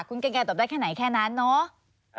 คุณเกรงไกรตอบได้แค่ไหนแค่นั้นเนาะ